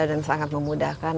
dan sangat memudahkan